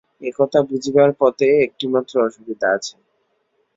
এ কথা বুঝিবার পথে একটিমাত্র অসুবিধা আছে।